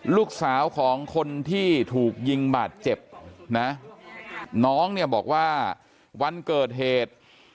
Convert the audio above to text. ลูกสาวของคนที่ถูกยิงบาดเจ็บนะน้องเนี่ยบอกว่าวันเกิดเหตุ